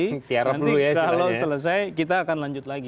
nanti kalau selesai kita akan lanjut lagi